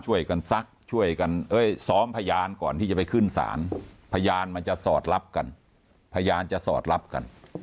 ซักช่วยกันซ้อมพยานก่อนที่จะไปขึ้นศาลพยานมันจะสอดรับกันพยานจะสอดรับกัน